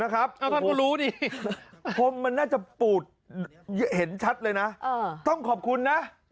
ครับอ้าวท่านก็รู้ดิผมมันน่าจะปูดเห็นชัดเลยนะต้องขอบคุณนะ